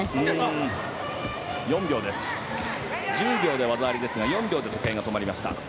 １０秒で技ありですが４秒で時計が止まりました。